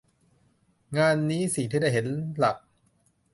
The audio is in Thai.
งานนี้สิ่งที่ได้เห็นหลัก